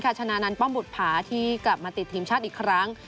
ชนะนันต์ป้อมบุภาที่กลับมาติดทีมชาติอีกครั้ง